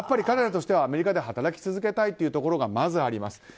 彼らとしてはアメリカで働き続けたいというところがまずあります。